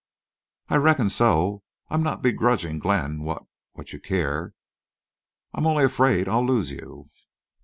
"I reckon so. I'm not begrudging Glenn what—what you care. I'm only afraid I'll lose you."